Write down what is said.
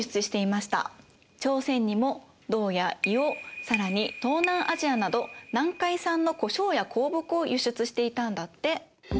朝鮮にも銅や硫黄更に東南アジアなど南海産の胡椒や香木を輸出していたんだって。